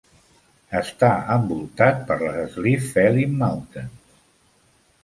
Està envoltat per les Slieve Felim Mountains.